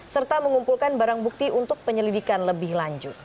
serta mengumpulkan barang bukti untuk penyelidikan lebih lanjut